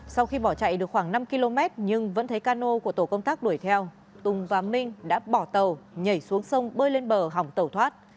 sau khi bỏ chạy được khoảng năm km nhưng vẫn thấy cano của tổ công tác đuổi theo tùng và minh đã bỏ tàu nhảy xuống sông bơi lên bờ hỏng tàu thoát